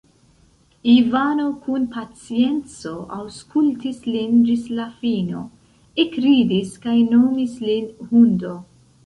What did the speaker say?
Ivano kun pacienco aŭskultis lin ĝis la fino, ekridis kaj nomis lin hundo.